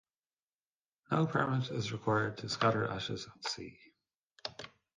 No permit is required to scatter ashes at sea.